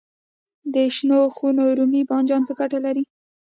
د شنو خونو رومي بانجان څه ګټه لري؟